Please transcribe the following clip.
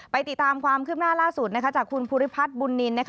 ติดตามความคืบหน้าล่าสุดจากคุณภูริพัฒน์บุญนิน